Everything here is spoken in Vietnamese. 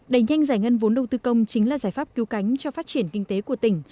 đẩy nhanh giải ngân vốn đầu tư công chính là giải pháp cứu cánh cho phát triển kinh tế của tỉnh